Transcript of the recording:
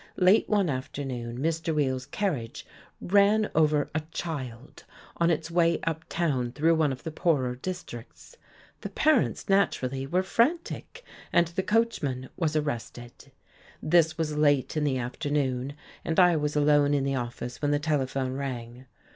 Late one afternoon Mr. Weill's carriage ran over a child on its way up town through one of the poorer districts. The parents, naturally, were frantic, and the coachman was arrested. This was late in the afternoon, and I was alone in the office when the telephone rang.